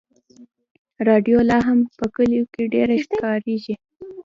راډیو لا هم په کلیو کې ډېره کارېږي.